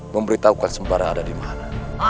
memberitahukan sembara ada dimana